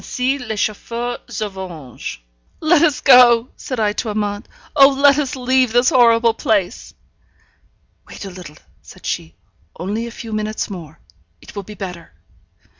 Ainsi les Chauffeurs se vengent. 'Let us go!' said I to Amante. 'Oh, let us leave this horrible place!' 'Wait a little,' said she. 'Only a few minutes more. It will be better.'